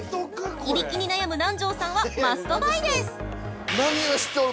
いびきに悩む南條さんはマストバイです。